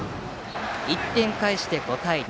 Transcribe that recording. １点を返して５対２。